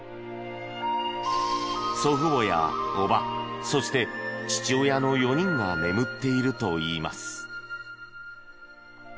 祖父母やおばそして父親の４人が眠っているといいます。